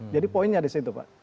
jadi poinnya di situ pak